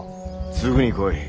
すぐに来い。